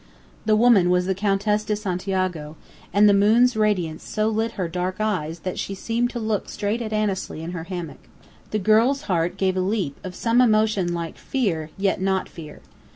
The woman was the Countess de Santiago, and the moon's radiance so lit her dark eyes that she seemed to look straight at Annesley in her hammock. The girl's heart gave a leap of some emotion like fear, yet not fear.